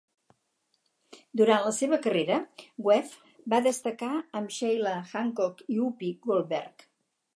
Durant la seva carrera, Webbe va destacar amb Sheila Hancock i Whoopi Goldberg.